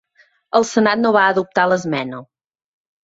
El senat no va adoptar l'esmena.